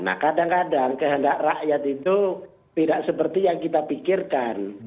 nah kadang kadang kehendak rakyat itu tidak seperti yang kita pikirkan